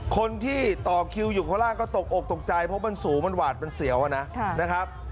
คนที่ต่อคิวอยู่ข้างล่างก็ตกอกตกใจเพราะมันสูงมันหวาดมันเสียวนะครับ